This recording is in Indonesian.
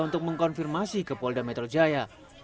untuk mengkonfirmasi ke polda metro jaya